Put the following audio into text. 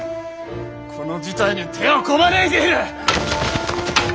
この事態に手をこまねいている！？